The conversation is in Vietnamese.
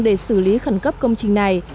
để xử lý khẩn cấp công trình này